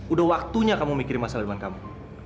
udah waktunya kamu mikirin masa depan kamu